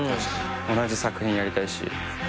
同じ作品やりたいし。